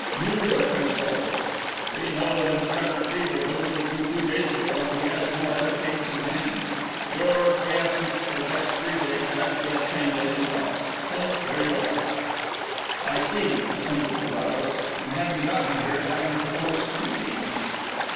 You were consulted. We know that Inspector Beedel visited you two days ago and he has no other case in hand. Your quiescence for just three days had to be obtained at any cost. So here you are." "I see," assented Carrados. "And having got me here, how do you propose to keep me?"